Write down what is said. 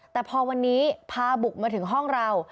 แต่พอวันนี้พาบุกมาถึงห้องเรา